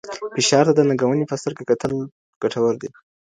فشار ته د ننګونې په سترګه کتل ګټور دی.